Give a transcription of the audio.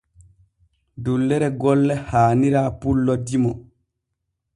Dullere golle haanira pullo dimo.